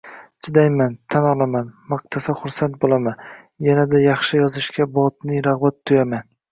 Chidayman, tan olaman, maqtasa xursand bo‘laman, yanada yaxshi yozishga botiniy rag‘bat tuyaman